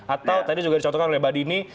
atau tadi juga dicontohkan oleh mbak dini